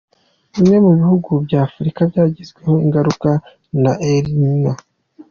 Bimwe mu bihugu bya Afurika byagizweho ingaruka na El Nino.